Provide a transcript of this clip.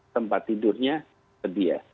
tempat tidurnya sedia